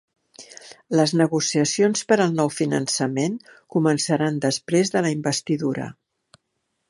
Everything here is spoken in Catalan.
Les negociacions per al nou finançament començaran després de la investidura